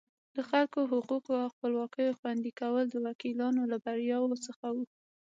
د خلکو حقوقو او خپلواکیو خوندي کول د وکیلانو له بریاوو څخه وو.